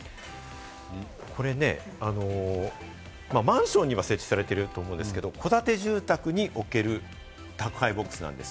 これね、マンションには設置されていると思うんですけれども、戸建て住宅に置ける宅配ボックスなんです。